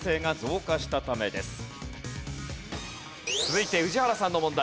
続いて宇治原さんの問題。